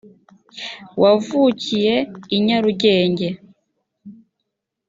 wavukiye i nyarugenge